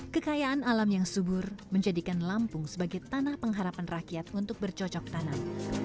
kekayaan alam yang subur menjadikan lampung sebagai tanah pengharapan rakyat untuk bercocok tanam